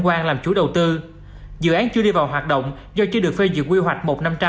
quan làm chủ đầu tư dự án chưa đi vào hoạt động do chưa được phê duyệt quy hoạch một năm trăm linh